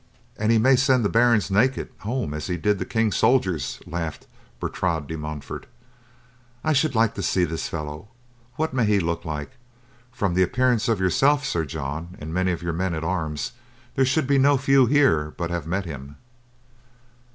"An' he may send the barons naked home as he did the King's soldiers," laughed Bertrade de Montfort. "I should like to see this fellow; what may he look like—from the appearance of yourself, Sir John, and many of your men at arms, there should be no few here but have met him."